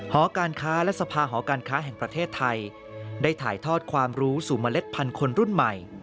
หอการค้าและสภาหอการค้าแห่งประเทศไทยได้ถ่ายทอดความรู้สู่เมล็ดพันธุ์คนรุ่นใหม่